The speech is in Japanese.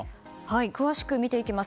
詳しく見ていきます。